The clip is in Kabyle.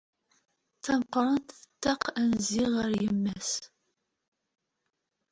Tameqqrant, tettak anzi ɣer yemma-s.